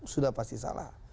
sudah pasti salah